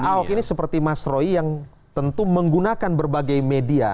ahok ini seperti mas roy yang tentu menggunakan berbagai media